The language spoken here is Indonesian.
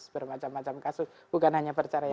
bermacam macam kasus bukan hanya perceraian saja